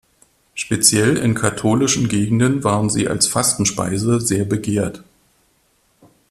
Speziell in katholischen Gegenden waren sie als Fastenspeise sehr begehrt.